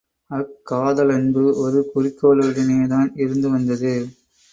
அக்காதலன்பு ஒரு குறிக்கோளுடனேதான் இருந்து வந்தது.